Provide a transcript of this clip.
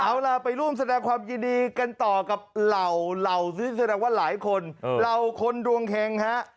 เอาล่ะไปร่วมแสดงความยินดีกันต่อกับเหล่าซึ่งแสดงว่าหลายคนเหล่าคนดวงเฮงฮะ